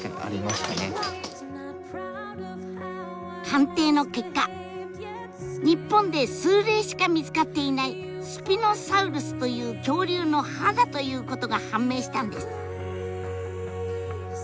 鑑定の結果日本で数例しか見つかっていないスピノサウルスという恐竜の歯だということが判明したんです！